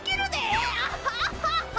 アハハハハ！